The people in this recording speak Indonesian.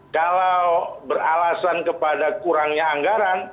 kalau beralasan kepada kurangnya anggaran